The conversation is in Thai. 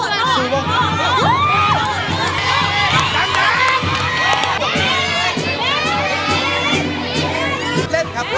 เร้นครับเร้นครับ